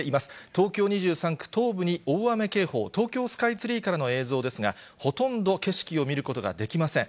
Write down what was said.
東京２３区東部に大雨警報、東京スカイツリーからの映像ですが、ほとんど景色を見ることができません。